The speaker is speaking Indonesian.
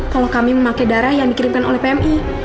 kalau kami memakai darah yang dikirimkan oleh pmi